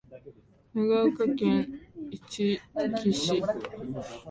長崎県壱岐市